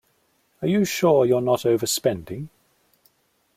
Are you sure you're not overspending?